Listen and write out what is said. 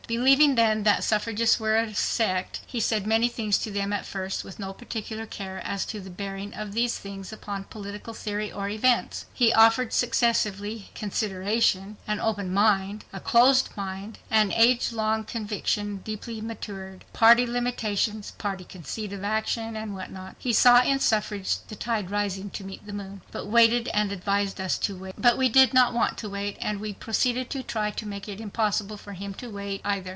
Believing then that suffragists were a sect, he said many things to them at first with no particular care as to the bearing of these things upon political theory or events. He offered, successively, "consideration," an "open mind," a "closed mind," and "age long conviction deeply matured," party limitations, party concert of action, and what not. He saw in suffrage the "tide rising to meet the moon," but waited and advised us to wait with him. But we did not want to wait, and we proceeded to try to make it impossible for him to wait, either.